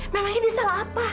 memang ini salah apa